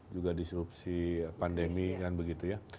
juga disrupsi pandemi kan begitu ya